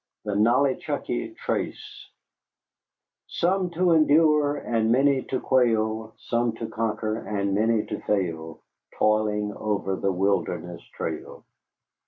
THE NOLLICHUCKY TRACE Some to endure, and many to quail, Some to conquer, and many to fail, Toiling over the Wilderness Trail.